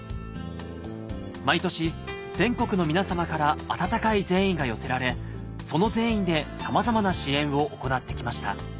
毎年全国の皆様から温かい善意が寄せられその善意でさまざまな支援を行って来ました